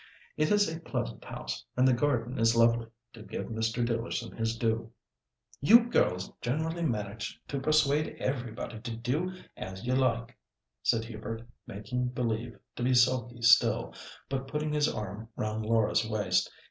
It is a pleasant house, and the garden is lovely, to give Mr. Dealerson his due." "You girls generally manage to persuade everybody to do as you like," said Hubert, making believe to be sulky still, but putting his arm round Laura's waist.